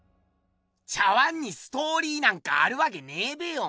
茶碗にストーリーなんかあるわけねえべよ。